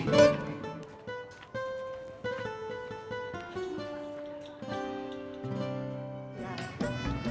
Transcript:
tidak ada yang nanya